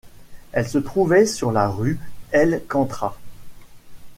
Elle se trouvait sur la rue El Kantra.